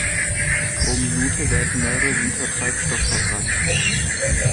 Pro Minute werden mehrere Liter Treibstoff verbrannt.